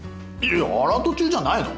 いやアラート中じゃないの？